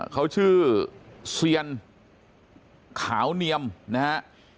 เขาชื่อเซียนขาวเนียมนะฮะ